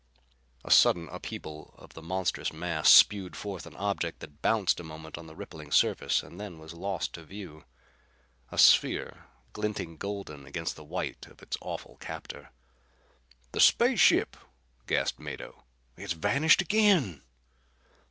A sudden upheaval of the monstrous mass spewed forth an object that bounced a moment on the rippling surface and then was lost to view. A sphere, glinting golden against the white of its awful captor. "The space ship!" gasped Mado. "It's vanished again!"